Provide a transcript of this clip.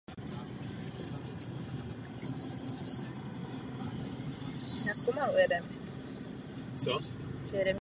Tato transformace musí během krize pokračovat.